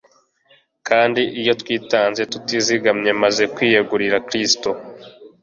Kandi iyo twitanze tutizigamye, maze kwiyegurira Kristo,